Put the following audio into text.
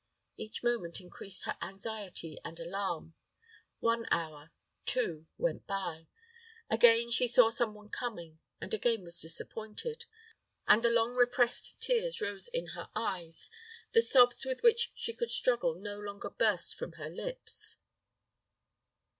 Each moment increased her anxiety and alarm. One hour two, went by. Again she saw some one coming, and again was disappointed, and the long repressed tears rose in her eyes, the sobs with which she could struggle no longer burst from her lips.